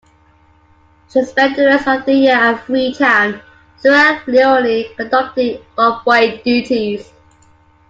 She spent the rest of the year at Freetown, Sierra Leone conducting convoy duties.